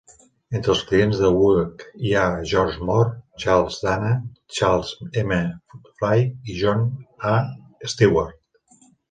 Entre els clients de Buek hi havia George Moore, Charles Dana, Charles M. Fry i John A. Stewart.